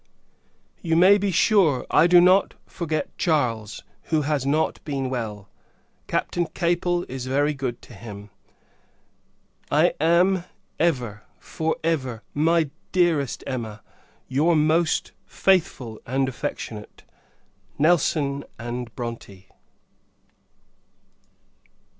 You may be sure, I do not forget Charles, who has not been well; Captain Capel is very good to him. I am, ever, for ever, my dearest Emma, your most faithful and affectionate NELSON & BRONTE.